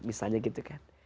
misalnya gitu kan